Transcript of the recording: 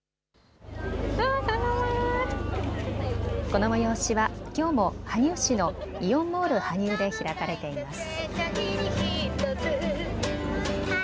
この催しはきょうも羽生市のイオンモール羽生で開かれています。